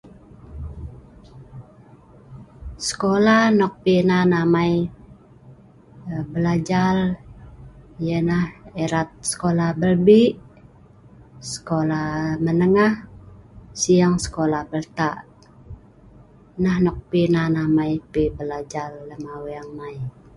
Sekola nok pi nan amai belajar yah nah arat sekola bel ei sekola menengah sing sekola bel ta'ak.